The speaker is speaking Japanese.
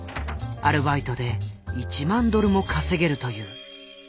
アルバイトで１万ドルも稼げるという。